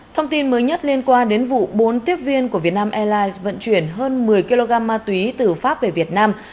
thông tin mới nhất liên quan đến vụ bốn tiếp viên của vietnam airlines vận chuyển hơn một mươi kg ma túy từ pháp về việt nam